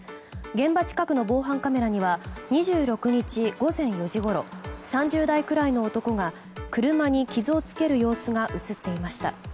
現場近くの防犯カメラには２６日午前４時ごろ３０代ぐらいの男が車に傷をつける様子が映っていました。